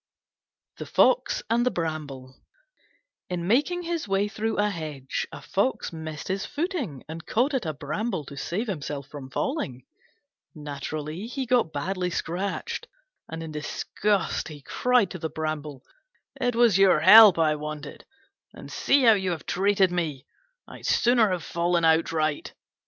THE FOX AND THE BRAMBLE In making his way through a hedge a Fox missed his footing and caught at a Bramble to save himself from falling. Naturally, he got badly scratched, and in disgust he cried to the Bramble, "It was your help I wanted, and see how you have treated me! I'd sooner have fallen outright."